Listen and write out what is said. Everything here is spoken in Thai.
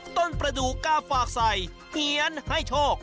ต้นประดูกก้าฝากใส่เหยียนให้โชค